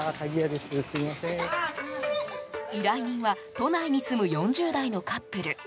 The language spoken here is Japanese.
依頼人は都内に住む４０代のカップル。